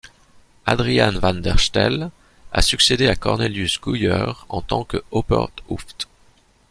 Adriaan Van Der Stel a succédé à Cornelius Gooyer en tant que Opperhoofd.